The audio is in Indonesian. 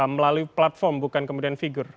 melalui platform bukan kemudian figur